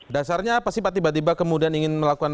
dasarnya apa sih pak tiba tiba kemudian ingin melakukan